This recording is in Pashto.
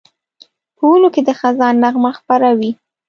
په ونو کې د خزان نغمه خپره وي